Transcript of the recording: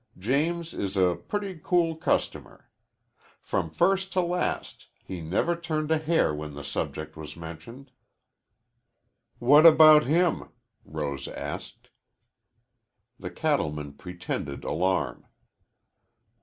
James is a pretty cool customer. From first to last he never turned a hair when the subject was mentioned." "What about him?" Rose asked. The cattleman pretended alarm.